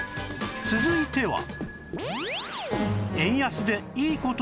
続いては